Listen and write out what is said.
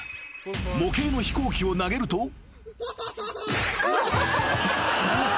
［模型の飛行機を投げると］